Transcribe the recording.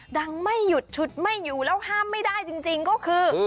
ไม่หยุดฉุดไม่อยู่แล้วห้ามไม่ได้จริงก็คือ